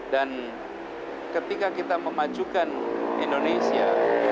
dan ketika kita memajukan indonesia